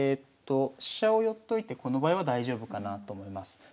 飛車を寄っといてこの場合は大丈夫かなと思います。